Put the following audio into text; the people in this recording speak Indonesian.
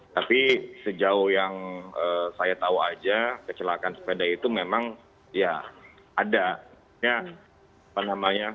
tapi sejauh yang saya tahu aja kecelakaan sepeda itu memang ya ada